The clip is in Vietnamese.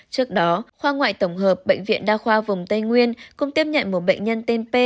trước đó khoa ngoại tổng hợp bệnh viện đa khoa vùng tây nguyên cũng tiếp nhận một bệnh nhân tên p